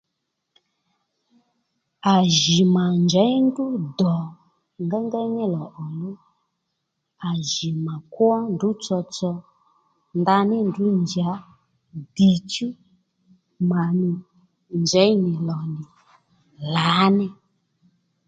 À jì mà njěy ndrǔ dò ngéyngéy ní lò ò luw à jì mà kwó ndrǔ tsotso ndaní ndrǔ njǎ dichú mà nì njey nì lò nì lǎní